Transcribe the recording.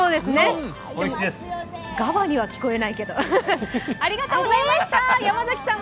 でも「がわ」には聞こえないけど。